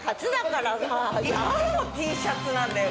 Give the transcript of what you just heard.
Ｔシャツなんだよ